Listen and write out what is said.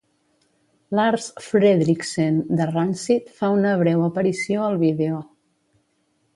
Lars Fredriksen de Rancid fa una breu aparició al vídeo.